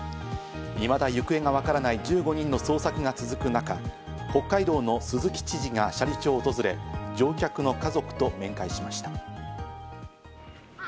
いまだ行方がわからない１５人の捜索が続く中、北海道の鈴木知事が斜里町を訪れ、乗客の家族と面会しました。